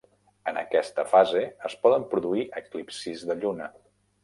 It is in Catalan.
En aquesta fase es poden produir eclipsis de Lluna.